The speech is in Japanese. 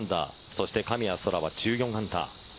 そして神谷そらは１４アンダー。